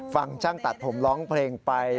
ฟังช่างตัดผมร้องเพลงไป